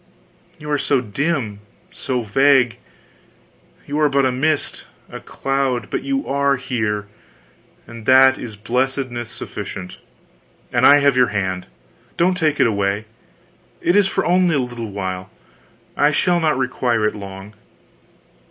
You are so dim, so vague, you are but a mist, a cloud, but you are here, and that is blessedness sufficient; and I have your hand; don't take it away it is for only a little while, I shall not require it long....